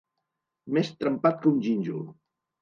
Més trempat que un gínjol.